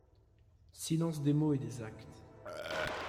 Silences des mots et des actes.